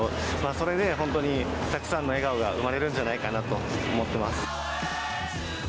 それでほんとにたくさんの笑顔が生まれるんじゃないかなと思ってます。